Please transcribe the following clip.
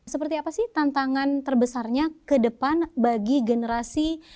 seperti apa sih tantangan terbesarnya ke depan bagi generasi